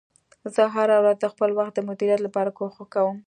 زه هره ورځ د خپل وخت د مدیریت لپاره کوښښ کوم